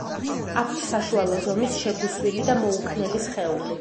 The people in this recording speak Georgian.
აქვთ საშუალო ზომის შებუსვილი და მოუქნელი სხეული.